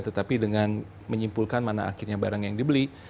tetapi dengan menyimpulkan mana akhirnya barang yang dibeli